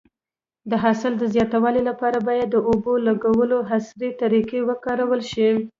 د حاصل د زیاتوالي لپاره باید د اوبو لګولو عصري طریقې وکارول شي.